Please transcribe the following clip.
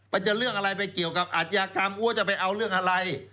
จะเรื่องอะไรไปเกี่ยวกับอัธยากรรมว่าจะไปเอาเรื่องอะไร